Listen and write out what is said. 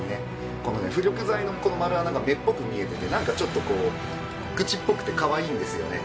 このね浮力材のこの丸穴が目っぽく見えてて何かちょっとこう口っぽくてカワイイんですよね。